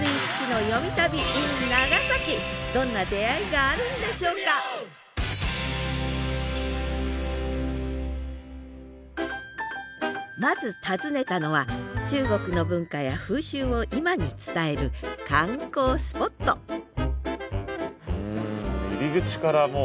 どんな出会いがあるんでしょうかまず訪ねたのは中国の文化や風習を今に伝える観光スポットうん入り口からもう中国感が。